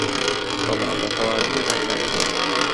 بەڵام بەتەواوی ڕایناگرێت